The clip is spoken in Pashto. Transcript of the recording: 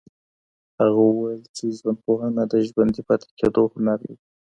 هغه وویل چي ژوندپوهنه د ژوندي پاته کيدو هنر دی.